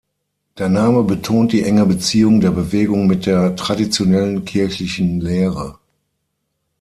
Der Name betont die enge Beziehung der Bewegung mit der traditionellen kirchlichen Lehre.